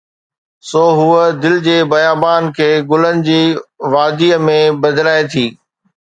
سو هوءَ دل جي بيابان کي گلن جي واديءَ ۾ بدلائي ٿي.